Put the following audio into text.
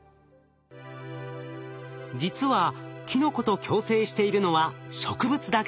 実はキノコと共生しているのは植物だけではありません。